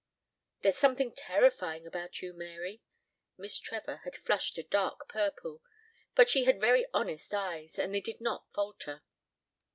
"There's something terrifying about you, Mary." Miss Trevor had flushed a dark purple, but she had very honest eyes, and they did not falter.